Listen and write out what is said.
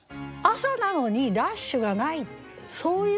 朝なのにラッシュがない。